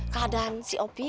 keadaan si opi